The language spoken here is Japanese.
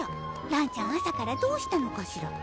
らんちゃん朝からどうしたのかしら？